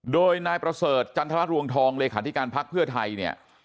โดยนายประเสริฐจันทรรวงทองเลขาธิการพักเพื่อไทยเนี่ย